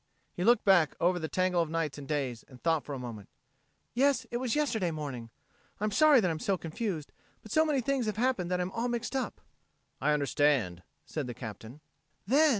He looked back over the tangle of nights and days, and thought for a moment. "Yes, it was yesterday morning. I'm sorry that I'm so confused, but so many things have happened that I'm all mixed up." "I understand," said the Captain. "Then...."